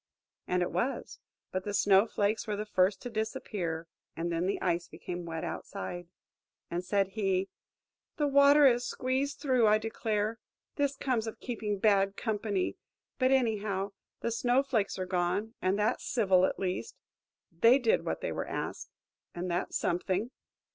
And it was; but the Snow flakes were the first to disappear, and then the Ice became wet outside. And said he: "The water has squeezed through, I declare! This comes of keeping bad company; but, anyhow, the Snow flakes are gone, and that's civil at least. They did what they were asked, and that's something."